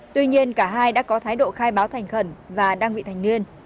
tuy nhiên cả hai đã có thái độ khai báo thành khẩn và đang bị thành niên